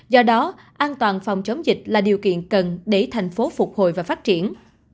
do đó an toàn phòng chống dịch là điều kiện cần để thành phố phục hồi và phát triển